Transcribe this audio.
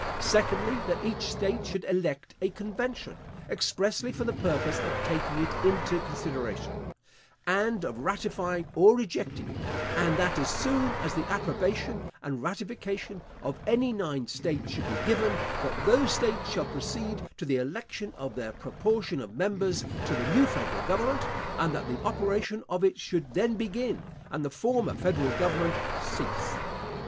Secondly, that each state should elect a convention, expressly for the purpose of taking it into consideration, and of ratifying or rejecting it; and that as soon as the approbation and ratification of any nine states should be given, that those states shall proceed to the election of their proportion of members to the new federal government; and that the operation of it should then begin, and the former federal government cease.